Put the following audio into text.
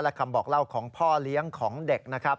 และคำบอกเล่าของพ่อเลี้ยงของเด็กนะครับ